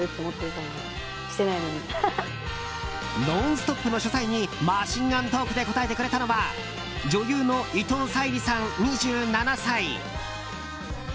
「ノンストップ！」の取材にマシンガントークで答えてくれたのは女優の伊藤沙莉さん、２７歳。